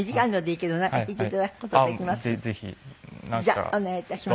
じゃあお願い致します。